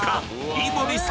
［井森さん！